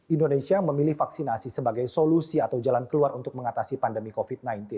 indonesia memilih vaksinasi sebagai solusi atau jalan keluar untuk mengatasi pandemi covid sembilan belas